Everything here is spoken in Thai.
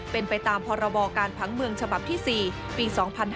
เป็นไปตามพรบการผังเมืองฉบับที่๔ปี๒๕๕๙